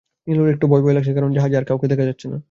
নীলুর একটু ভয়ভয় লাগছে, কারণ জাহাজে আর কাউকে দেখা যাচ্ছে না।